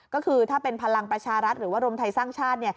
ก็คือถ้าเป็นพลังประชารัฐหรือว่ารวมไทยสร้างชาติ